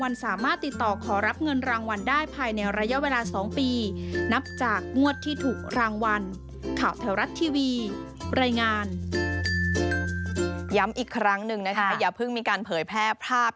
ย้ำอีกครั้งหนึ่งนะคะอย่าเพิ่งมีการเผยแพร่ภาพ